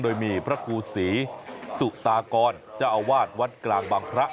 โดยมีพระครูศรีสุตากรเจ้าอาวาสวัดกลางบางพระ